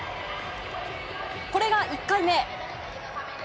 これが１回目。